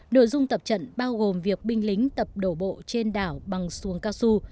nội dung tập trận bao gồm việc binh lính tập đổ bộ trên đảo bằng xuồng cao su